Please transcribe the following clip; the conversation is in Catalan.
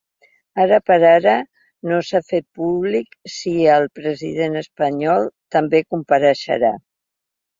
Ara per ara, no s’ha fet públic si el president espanyol també compareixerà.